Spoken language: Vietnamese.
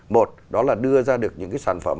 một đó là đưa ra được những cái sản phẩm